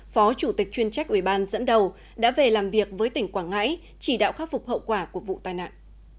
phó chủ tịch chuyên trách ủy ban dẫn đầu đã về làm việc với tỉnh quảng ngãi chỉ đạo khắc phục hậu quả của vụ tai nạn